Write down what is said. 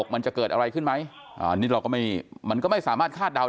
มันจะเกิดอะไรขึ้นไหมอันนี้เราก็ไม่มันก็ไม่สามารถคาดเดาได้